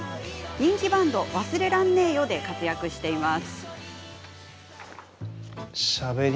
人気バンド、忘れらんねえよで活躍しています。